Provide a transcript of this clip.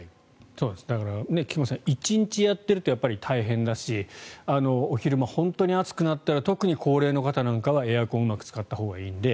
だから菊間さん１日やってると大変だしお昼間、本当に暑くなったら特に高齢の方はエアコンをうまく使ったほうがいいので。